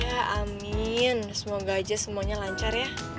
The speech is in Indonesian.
ya amin semoga aja semuanya lancar ya